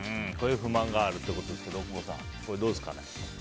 こういう不満があるってことですけど大久保さん、どうですかね？